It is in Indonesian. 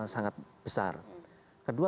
sangat besar kedua